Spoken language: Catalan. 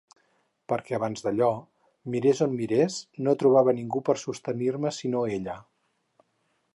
Perquè abans d'allò, mirés on mirés, no trobava ningú per sostenir-me sinó ella.